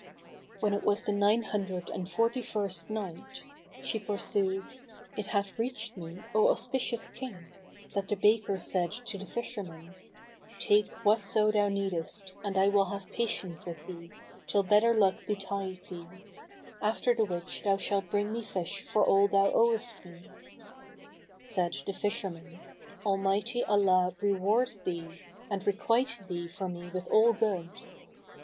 When it was the Nine Hundred and Forty first Night, She pursued, It hath reached me, O auspicious King, that the baker said to the fisherman, "Take whatso thou needest and I will have patience with thee till better luck betide thee, after the which thou shalt bring me fish for all thou owest me." Said the fisherman, Almighty Allah reward thee, and requite thee for me with all good!"